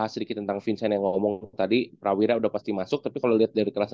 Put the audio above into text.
sedikit tentang vincent yang ngomong tadi prawira udah pasti masuk tapi kalau lihat dari kelas